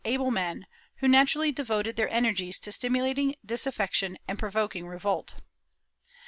380 MORISCOS [Book VIII able men who naturally devoted their energies to stimulating disaffection and provoking revolt.